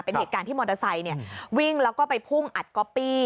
เป็นเหตุการณ์ที่มอเตอร์ไซค์วิ่งแล้วก็ไปพุ่งอัดก๊อปปี้